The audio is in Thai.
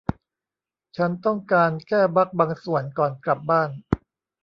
ฉันต้องการแก้บัคบางส่วนก่อนกลับบ้าน